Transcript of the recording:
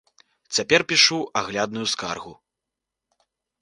Цяпер пішу аглядную скаргу.